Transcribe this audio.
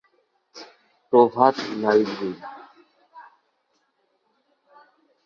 Prabhat library.